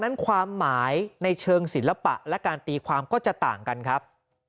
นั้นความหมายในเชิงศิลปะและการตีความก็จะต่างกันครับ